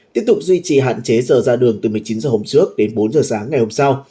tiếp tục duy trì hạn chế giờ ra đường từ một mươi chín h hôm trước đến bốn h sáng ngày hôm sau